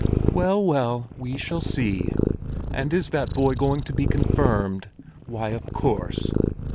Well, well, we shall see! And is that boy going to be confirmed? Why, of course!